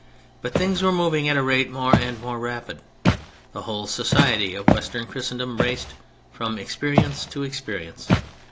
But things were moving at a rate more and more rapid, the whole society of Western Christendom raced from experience to experience.